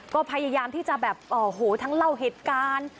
ก็พยายามที่จะแบบต้องเล่าเหตุการณ์